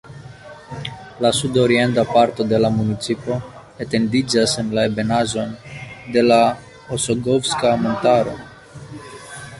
La sudorienta parto de la municipo etendiĝas en la ebenaĵon de la Osogovska Montaro.